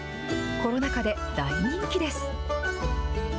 コロナ禍で大人気です。